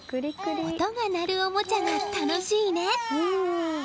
音が鳴るおもちゃが楽しいね。